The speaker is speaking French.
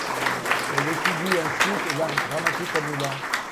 Elle étudie ensuite l'art dramatique à Milan.